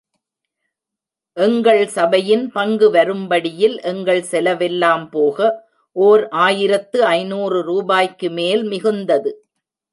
எங்கள் சபையின் பங்கு வரும்படியில், எங்கள் செலவெல்லாம் போக ஓர் ஆயிரத்து ஐநூறு ரூபாய்க்கு மேல் மிகுந்தது.